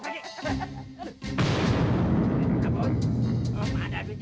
mana ga ada duit